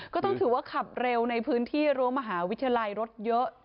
ก็ต้องถือว่าขับเร็วในพื้นที่รั้วมหาวิทยาลัยรถเยอะ